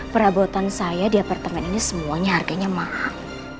perabotan saya di apartemen ini semuanya harganya mahal